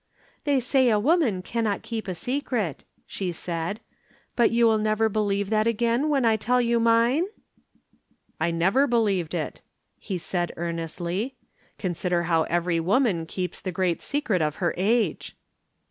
"They say a woman cannot keep a secret," she said. "But you will never believe that again, when I tell you mine?" "I never believed it," he said earnestly. "Consider how every woman keeps the great secret of her age."